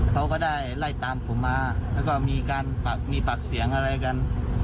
เขาก็ได้ไล่ตามผมมาแล้วก็มีการมีปากเสียงอะไรกัน